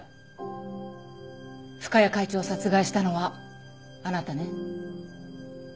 深谷会長を殺害したのはあなたね？